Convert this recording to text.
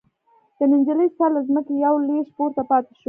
د نجلۍ سر له ځمکې يوه لوېشت پورته پاتې شو.